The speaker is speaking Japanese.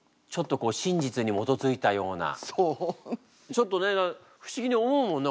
ちょっとね不思議に思うもんね